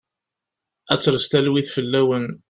Ad d-tres talwit fell-awen.